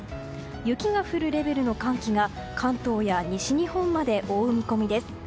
雪が降るレベルの寒気が関東や西日本まで覆う見込みです。